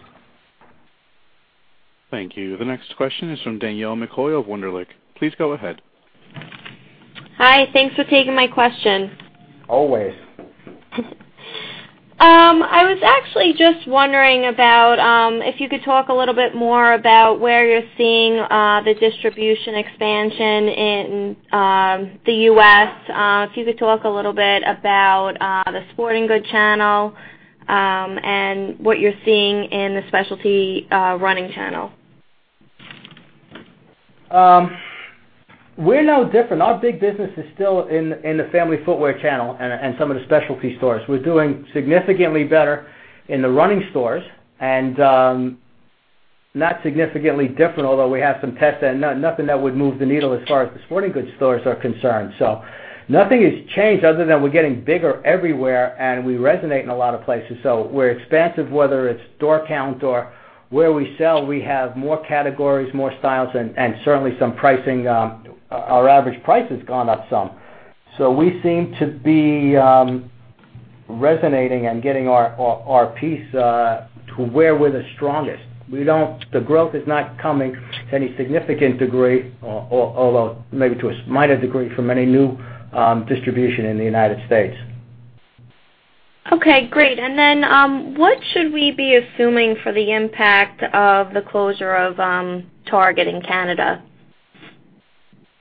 Thank you. The next question is from Danielle McCoy of Wunderlich. Please go ahead. Hi, thanks for taking my question. Always. I was actually just wondering if you could talk a little bit more about where you're seeing the distribution expansion in the U.S., if you could talk a little bit about the sporting goods channel, and what you're seeing in the specialty running channel. We're no different. Our big business is still in the family footwear channel and some of the specialty stores. We're doing significantly better in the running stores, not significantly different, although we have some tests and nothing that would move the needle as far as the sporting goods stores are concerned. Nothing has changed other than we're getting bigger everywhere, and we resonate in a lot of places. We're expansive, whether it's door count or where we sell. We have more categories, more styles, and certainly, our average price has gone up some. We seem to be resonating and getting our piece to where we're the strongest. The growth is not coming to any significant degree, although maybe to a minor degree from any new distribution in the U.S. Okay, great. What should we be assuming for the impact of the closure of Target in Canada?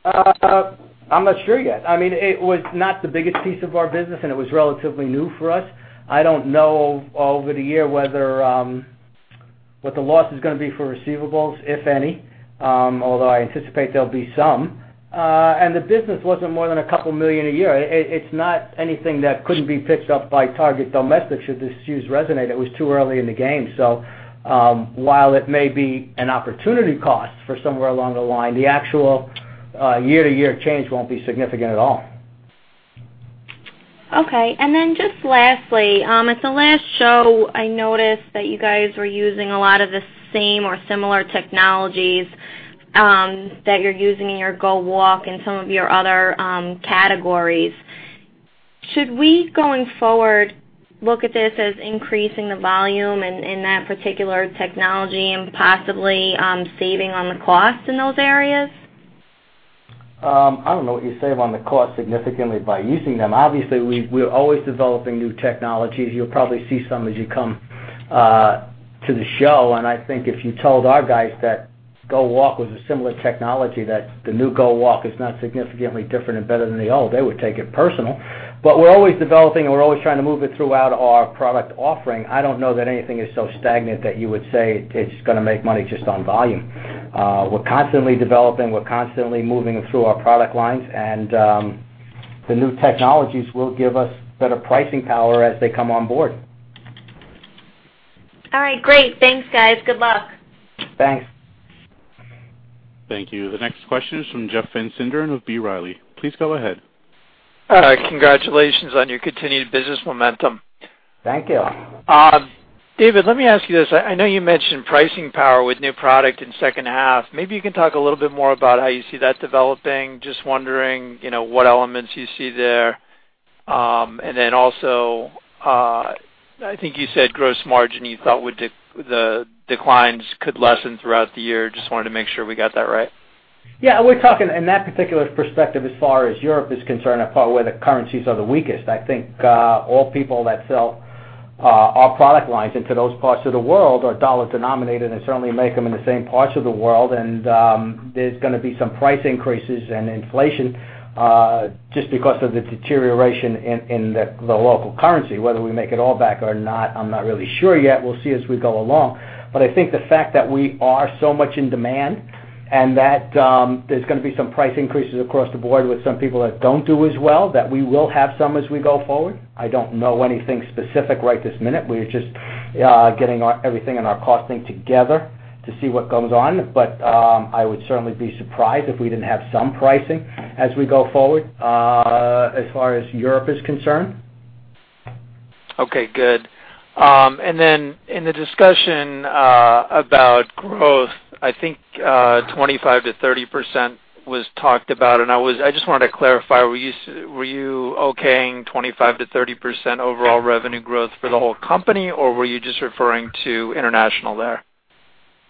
I'm not sure yet. It was not the biggest piece of our business, and it was relatively new for us. I don't know over the year what the loss is going to be for receivables, if any, although I anticipate there'll be some. The business wasn't more than a couple of million a year. It's not anything that couldn't be picked up by Target domestic should the shoes resonate. It was too early in the game. While it may be an opportunity cost for somewhere along the line, the actual year-to-year change won't be significant at all. Okay. Just lastly, at the last show, I noticed that you guys were using a lot of the same or similar technologies that you're using in your GOwalk and some of your other categories. Should we, going forward, look at this as increasing the volume in that particular technology and possibly saving on the cost in those areas? I don't know if you save on the cost significantly by using them. Obviously, we're always developing new technologies. You'll probably see some as you come to the show, and I think if you told our guys that GOwalk was a similar technology, that the new GOwalk is not significantly different and better than the old, they would take it personally. We're always developing, and we're always trying to move it throughout our product offering. I don't know that anything is so stagnant that you would say it's going to make money just on volume. We're constantly developing. We're constantly moving through our product lines. The new technologies will give us better pricing power as they come on board. All right. Great. Thanks, guys. Good luck. Thanks. Thank you. The next question is from Jeff Van Sinderen of B. Riley. Please go ahead. All right. Congratulations on your continued business momentum. Thank you. David, let me ask you this. I know you mentioned pricing power with new product in second half. Maybe you can talk a little bit more about how you see that developing. Just wondering, what elements you see there. Also, I think you said gross margin, you thought the declines could lessen throughout the year. Just wanted to make sure we got that right. Yeah. We're talking in that particular perspective, as far as Europe is concerned, about where the currencies are the weakest. I think, all people that sell our product lines into those parts of the world are dollar-denominated and certainly make them in the same parts of the world. There's going to be some price increases and inflation, just because of the deterioration in the local currency. Whether we make it all back or not, I'm not really sure yet. We'll see as we go along. I think the fact that we are so much in demand and that there's going to be some price increases across the board with some people that don't do as well, that we will have some as we go forward. I don't know anything specific right this minute. We're just getting everything and our costing together to see what goes on. I would certainly be surprised if we didn't have some pricing as we go forward, as far as Europe is concerned. Okay, good. In the discussion, about growth, I think, 25%-30% was talked about, and I just wanted to clarify. Were you okaying 25%-30% overall revenue growth for the whole company, or were you just referring to international there?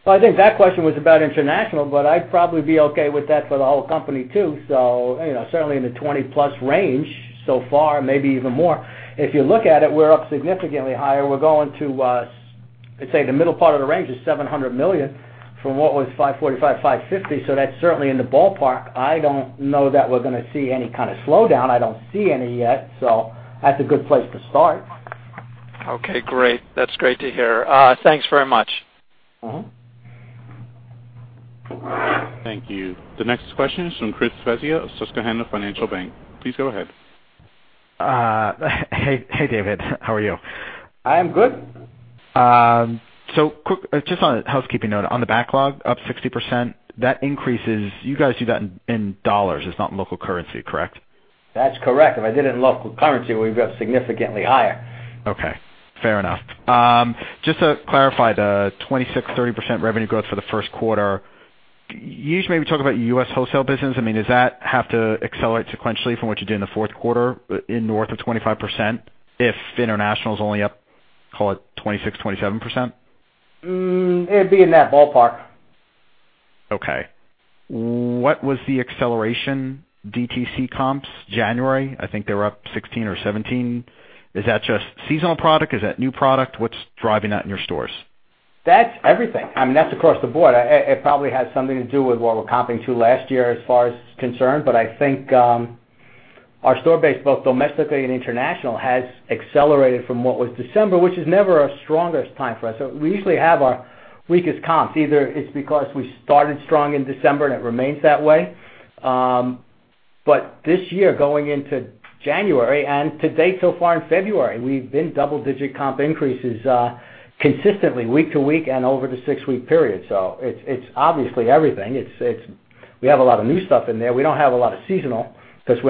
Well, I think that question was about international, I'd probably be okay with that for the whole company, too. Certainly in the 20-plus range so far, maybe even more. If you look at it, we're up significantly higher. Let's say the middle part of the range is $700 million from what was $545, $550. That's certainly in the ballpark. I don't know that we're going to see any kind of slowdown. I don't see any yet, that's a good place to start. Okay, great. That's great to hear. Thanks very much. Thank you. The next question is from Christopher Svezia of Susquehanna Financial Group. Please go ahead. Hey, David. How are you? I am good. Quick, just on a housekeeping note, on the backlog up 60%, that increase, you guys do that in dollars. It's not in local currency, correct? That's correct. If I did it in local currency, we'd be up significantly higher. Okay. Fair enough. Just to clarify, the 26%-30% revenue growth for the first quarter, you just maybe talk about U.S. wholesale business. Does that have to accelerate sequentially from what you did in the fourth quarter in north of 25% if international's only up, call it 26%-27%? It'd be in that ballpark. Okay. What was the acceleration DTC comps January? I think they were up 16% or 17%. Is that just seasonal product? Is that new product? What's driving that in your stores? That's everything. That's across the board. It probably has something to do with what we're comping to last year as far as concerned, I think, our store base, both domestically and international, has accelerated from what was December, which is never our strongest time for us. We usually have our weakest comps. Either it's because we started strong in December and it remains that way. This year, going into January and to date so far in February, we've been double-digit comp increases, consistently week to week and over the six-week period. It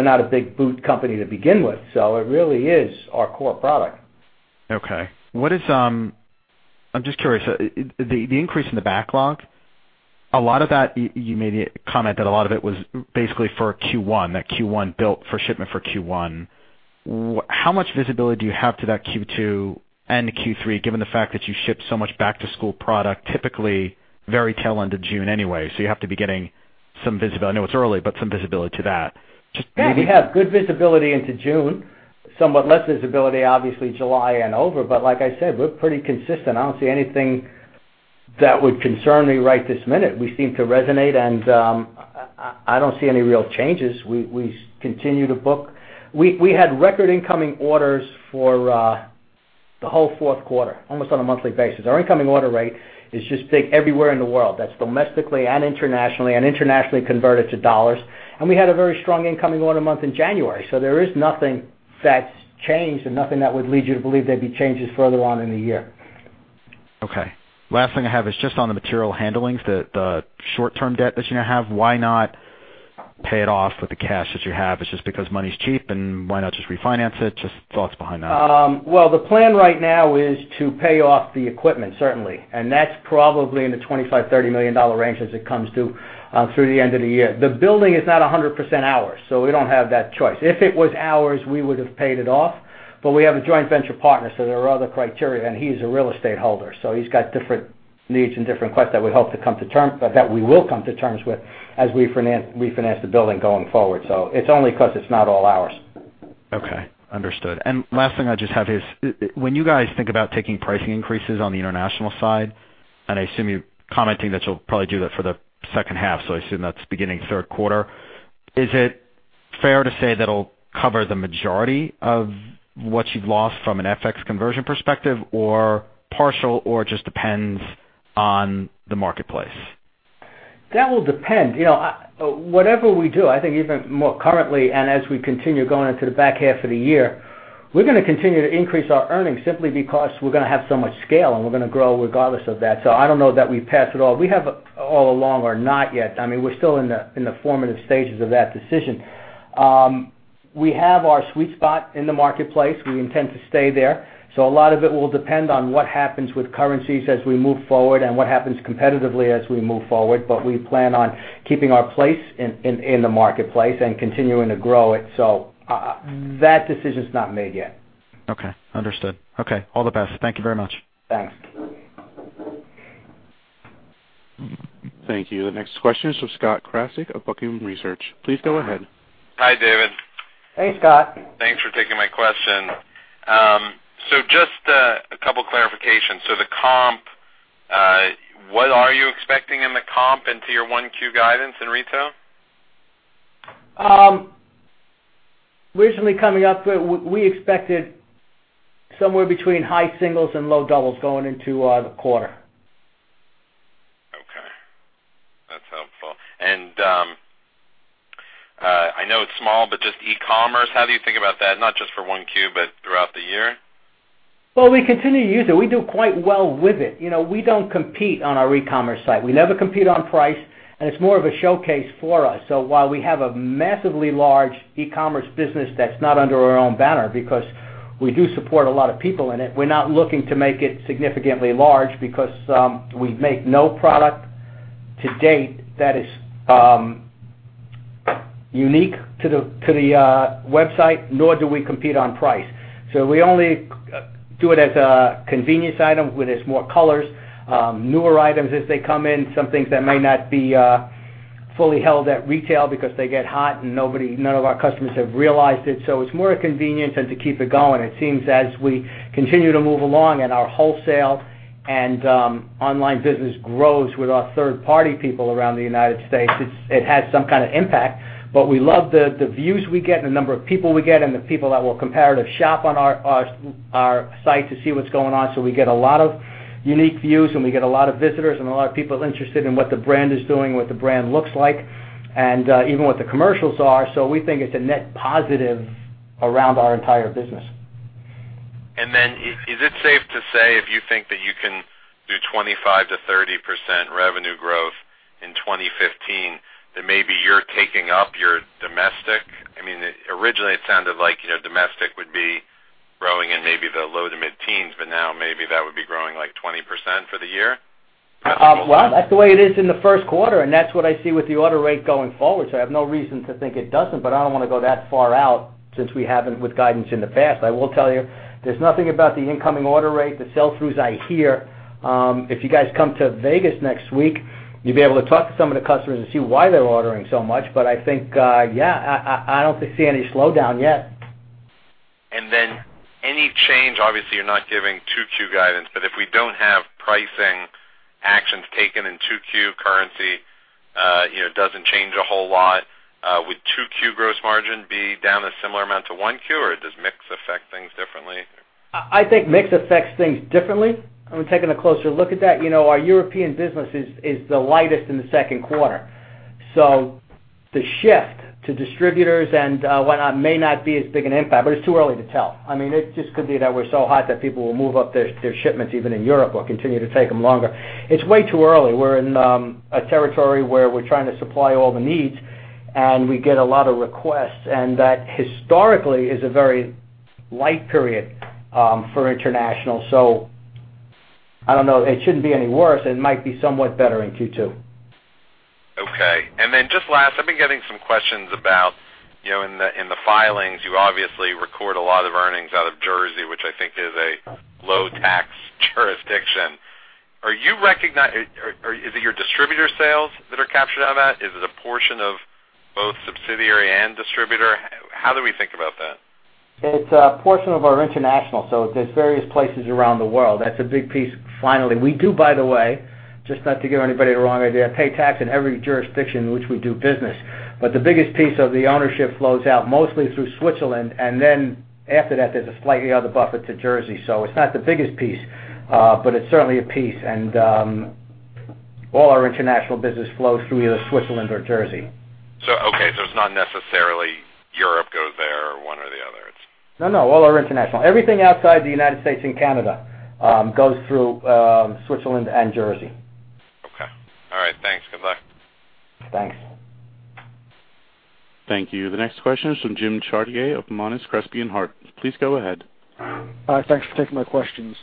really is our core product. Okay. I'm just curious, the increase in the backlog, you made a comment that a lot of it was basically for Q1, that Q1 built for shipment for Q1. How much visibility do you have to that Q2 and Q3, given the fact that you ship so much back-to-school product, typically very tail end of June anyway. You have to be getting some visibility. I know it's early, but some visibility to that. Yeah, we have good visibility into June. Somewhat less visibility, obviously July and over. Like I said, we're pretty consistent. I don't see anything that would concern me right this minute. We seem to resonate, and I don't see any real changes. We continue to book. We had record incoming orders for the whole fourth quarter, almost on a monthly basis. Our incoming order rate is just big everywhere in the world. That's domestically and internationally, and internationally converted to dollars. We had a very strong incoming order month in January. There is nothing that's changed and nothing that would lead you to believe there'd be changes further on in the year. Okay. Last thing I have is just on the material handling, the short-term debt that you now have, why not pay it off with the cash that you have? It's just because money's cheap and why not just refinance it? Just thoughts behind that. Well, the plan right now is to pay off the equipment, certainly, and that's probably in the $25 million-$30 million range as it comes through the end of the year. The building is not 100% ours, we don't have that choice. If it was ours, we would've paid it off. We have a joint venture partner, there are other criteria, he's a real estate holder, he's got different needs and different requests that we hope to come to terms, that we will come to terms with as we finance the building going forward. It's only because it's not all ours. Okay. Understood. Last thing I just have is, when you guys think about taking pricing increases on the international side, and I assume you're commenting that you'll probably do that for the second half, so I assume that's beginning third quarter. Is it fair to say that'll cover the majority of what you've lost from an FX conversion perspective, or partial, or it just depends on the marketplace? That will depend. Whatever we do, I think even more currently, as we continue going into the back half of the year, we're going to continue to increase our earnings simply because we're going to have so much scale. We're going to grow regardless of that. I don't know that we've passed it all. We have all along or not yet. We're still in the formative stages of that decision. We have our sweet spot in the marketplace. We intend to stay there. A lot of it will depend on what happens with currencies as we move forward and what happens competitively as we move forward. We plan on keeping our place in the marketplace and continuing to grow it. That decision's not made yet. Okay, understood. Okay, all the best. Thank you very much. Thanks. Thank you. The next question is from Scott Krasik of Buckingham Research. Please go ahead. Hi, David. Hey, Scott. Thanks for taking my question. Just a couple clarifications. The comp, what are you expecting in the comp into your 1Q guidance in retail? Originally coming up, we expected somewhere between high singles and low doubles going into the quarter. Okay. That's helpful. I know it's small, but just e-commerce, how do you think about that? Not just for 1Q, but throughout the year? Well, we continue to use it. We do quite well with it. We don't compete on our e-commerce site. We never compete on price, and it's more of a showcase for us. While we have a massively large e-commerce business that's not under our own banner, because we do support a lot of people in it, we're not looking to make it significantly large because, we make no product to date that is unique to the website, nor do we compete on price. We only do it as a convenience item where there's more colors, newer items as they come in, some things that may not be fully held at retail because they get hot and none of our customers have realized it. It's more a convenience and to keep it going. It seems as we continue to move along and our wholesale and online business grows with our third-party people around the U.S., it has some kind of impact. We love the views we get and the number of people we get and the people that will comparative shop on our site to see what's going on. We get a lot of unique views, and we get a lot of visitors and a lot of people interested in what the brand is doing, what the brand looks like, and even what the commercials are. We think it's a net positive around our entire business. Is it safe to say if you think that you can do 25%-30% revenue growth in 2015, then maybe you're taking up your domestic? I mean, originally it sounded like domestic would be growing in maybe the low to mid-teens, but now maybe that would be growing like 20% for the year? That's the way it is in the first quarter, and that's what I see with the order rate going forward. I have no reason to think it doesn't, I don't want to go that far out since we haven't with guidance in the past. I will tell you, there's nothing about the incoming order rate, the sell-throughs I hear. If you guys come to Vegas next week, you'll be able to talk to some of the customers and see why they're ordering so much. I think, yeah, I don't see any slowdown yet. Any change, obviously you're not giving 2Q guidance, if we don't have pricing actions taken in 2Q, currency doesn't change a whole lot. Would 2Q gross margin be down a similar amount to 1Q, or does mix affect things differently? I think mix affects things differently. I'm taking a closer look at that. Our European business is the lightest in the second quarter. The shift to distributors and whatnot may not be as big an impact, it's too early to tell. It just could be that we're so hot that people will move up their shipments even in Europe or continue to take them longer. It's way too early. We're in a territory where we're trying to supply all the needs, and we get a lot of requests, and that historically is a very light period for international. I don't know. It shouldn't be any worse. It might be somewhat better in Q2. Okay. Just last, I've been getting some questions about in the filings, you obviously record a lot of earnings out of Jersey, which I think is a low tax jurisdiction. Is it your distributor sales that are captured out of that? Is it a portion of both subsidiary and distributor? How do we think about that? It's a portion of our international, there's various places around the world. That's a big piece finally. We do, by the way, just not to give anybody the wrong idea, pay tax in every jurisdiction in which we do business. The biggest piece of the ownership flows out mostly through Switzerland, and then after that, there's a slightly other [inaudible] to Jersey. It's not the biggest piece, but it's certainly a piece. All our international business flows through either Switzerland or Jersey. Okay. It's not necessarily Europe goes there or one or the other. No, no. All our international. Everything outside the U.S. and Canada goes through Switzerland and Jersey. Okay. All right. Thanks. Good luck. Thanks. Thank you. The next question is from Jim Chartier of Monness, Crespi and Hardt. Please go ahead. Thanks for taking my questions.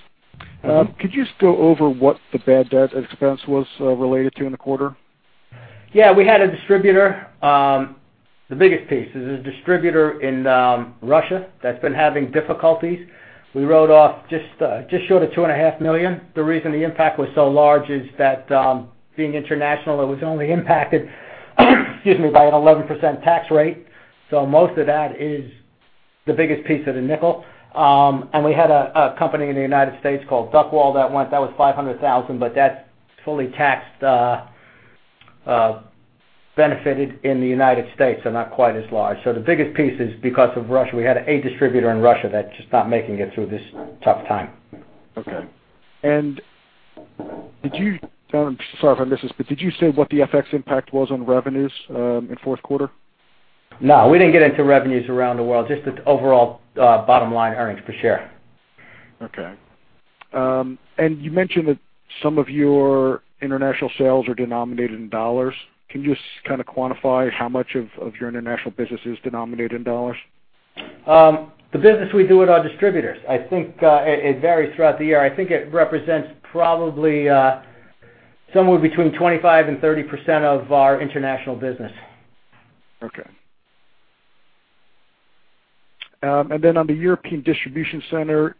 Could you just go over what the bad debt expense was related to in the quarter? Yeah. We had a distributor. The biggest piece is a distributor in Russia that's been having difficulties. We wrote off just short of $2.5 million. The reason the impact was so large is that, being international, it was only impacted excuse me, by an 11% tax rate. Most of that is the biggest piece of the nickel. We had a company in the U.S. called Duckwall that went. That was $500,000, but that's fully taxed U.S. Benefited in the United States, so not quite as large. The biggest piece is because of Russia. We had a distributor in Russia that's just not making it through this tough time. Okay. Did you Sorry if I missed this, but did you say what the FX impact was on revenues in fourth quarter? No, we didn't get into revenues around the world, just the overall bottom line earnings per share. Okay. You mentioned that some of your international sales are denominated in dollars. Can you just kind of quantify how much of your international business is denominated in dollars? The business we do with our distributors. I think it varies throughout the year. I think it represents probably somewhere between 25% and 30% of our international business. Okay. Then on the European distribution center,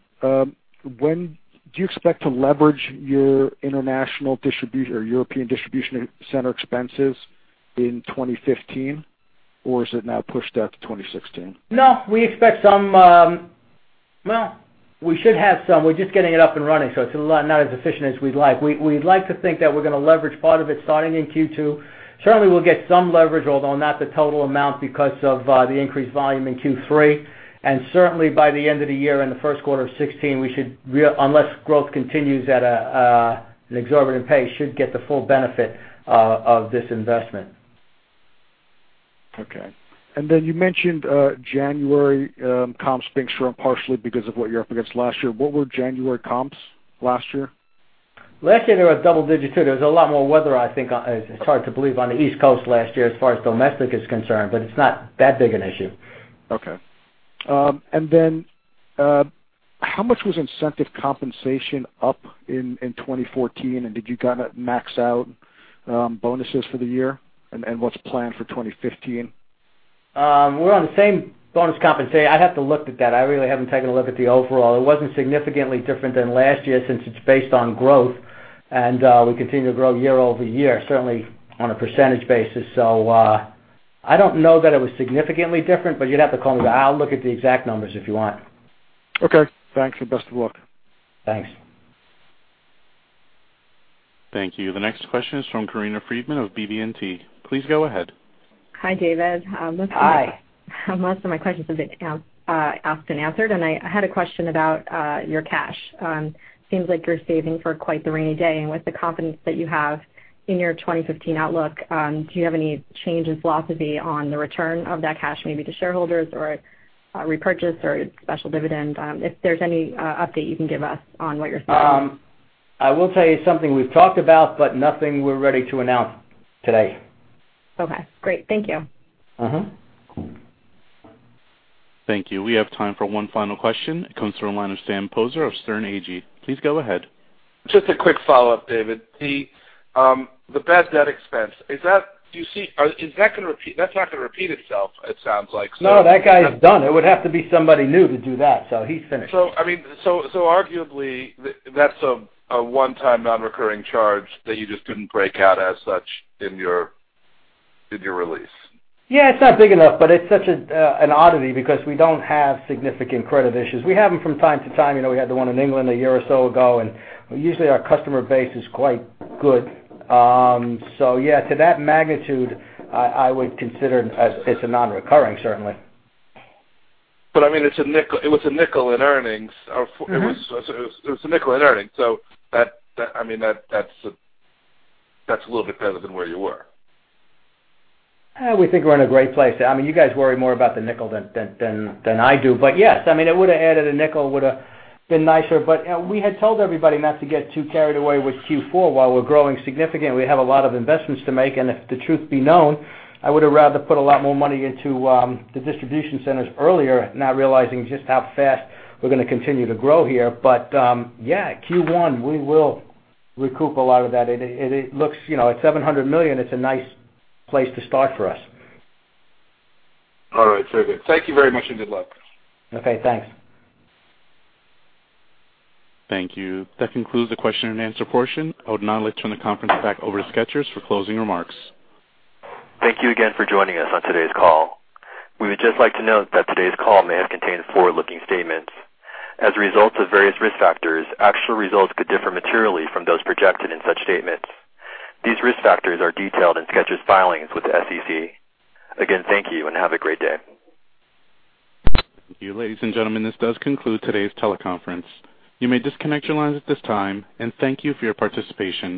when do you expect to leverage your international distribution or European distribution center expenses in 2015? Or is it now pushed out to 2016? No, we expect some Well, we should have some. We're just getting it up and running, it's not as efficient as we'd like. We'd like to think that we're going to leverage part of it starting in Q2. Certainly, we'll get some leverage, although not the total amount because of the increased volume in Q3, certainly by the end of the year in the first quarter of 2016, we should, unless growth continues at an exorbitant pace, should get the full benefit of this investment. Okay. Then you mentioned January comps being [shrunk] partially because of what you're up against last year. What were January comps last year? Last year, they were double digit, too. There was a lot more weather, I think, it's hard to believe on the East Coast last year as far as domestic is concerned, it's not that big an issue. Okay. How much was incentive compensation up in 2014? Did you kind of max out bonuses for the year? What's planned for 2015? We're on the same bonus compensation. I'd have to look at that. I really haven't taken a look at the overall. It wasn't significantly different than last year since it's based on growth, and we continue to grow year-over-year, certainly on a percentage basis. I don't know that it was significantly different, but you'd have to call me back. I'll look at the exact numbers if you want. Okay. Thanks. Best of luck. Thanks. Thank you. The next question is from Corinna Freedman of BB&T. Please go ahead. Hi, David. Hi. Most of my questions have been asked and answered, and I had a question about your cash. Seems like you're saving for quite the rainy day, and with the confidence that you have in your 2015 outlook, do you have any change in philosophy on the return of that cash, maybe to shareholders or repurchase or special dividend? If there's any update you can give us on what you're thinking. I will tell you something we've talked about, but nothing we're ready to announce today. Okay, great. Thank you. Thank you. We have time for one final question. It comes from the line of Sam Poser of Sterne Agee. Please go ahead. Just a quick follow-up, David. The bad debt expense, that's not going to repeat itself, it sounds like. No, that guy's done. It would have to be somebody new to do that. He's finished. Arguably, that's a one-time non-recurring charge that you just didn't break out as such in your release. It's not big enough, it's such an oddity because we don't have significant credit issues. We have them from time to time. We had the one in England a year or so ago, usually our customer base is quite good. To that magnitude, I would consider it as a non-recurring, certainly. It was $0.05 in earnings. It was $0.05 in earnings. That's a little bit better than where you were. We think we're in a great place. You guys worry more about the $0.05 than I do. Yes, it would have added $0.05, would have been nicer, we had told everybody not to get too carried away with Q4. While we're growing significantly, we have a lot of investments to make, if the truth be known, I would have rather put a lot more money into the distribution centers earlier, not realizing just how fast we're going to continue to grow here. Q1, we will recoup a lot of that. It looks, at $700 million, it's a nice place to start for us. All right, very good. Thank you very much, and good luck. Okay, thanks. Thank you. That concludes the question and answer portion. I would now like to turn the conference back over to Skechers for closing remarks. Thank you again for joining us on today's call. We would just like to note that today's call may have contained forward-looking statements. As a result of various risk factors, actual results could differ materially from those projected in such statements. These risk factors are detailed in Skechers' filings with the SEC. Again, thank you, and have a great day. Thank you. Ladies and gentlemen, this does conclude today's teleconference. You may disconnect your lines at this time, and thank you for your participation.